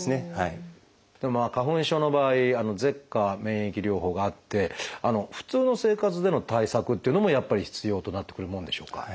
花粉症の場合舌下免疫療法があって普通の生活での対策っていうのもやっぱり必要となってくるものでしょうか？